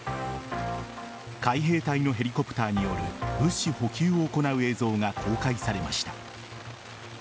海兵隊のヘリコプターによる物資補給を行う映像が公開されました。